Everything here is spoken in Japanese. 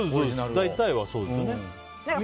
大体はそうですよね。